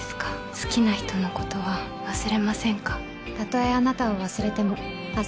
好きな人のことは忘れませんか。